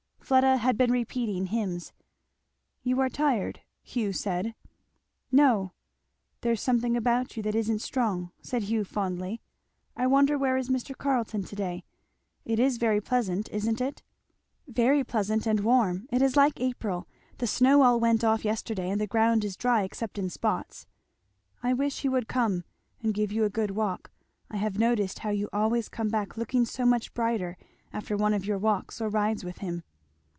Fleda had been repeating hymns. "You are tired," Hugh said. "No " "There's something about you that isn't strong," said Hugh fondly. "I wonder where is Mr. Carleton to day. It is very pleasant, isn't it?" "Very pleasant, and warm; it is like April; the snow all went off yesterday, and the ground is dry except in spots." "I wish he would come and give you a good walk. I have noticed how you always come back looking so much brighter after one of your walks or rides with him."